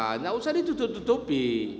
tidak usah ditutupi